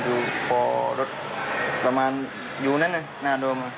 ดูพอรถประมาณอยู่นั่นน่ะหน้าโดม